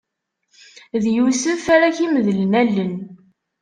D Yusef ara k-imedlen allen.